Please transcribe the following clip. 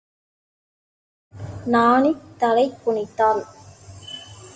நாணித் தலை குனிந்தாள்.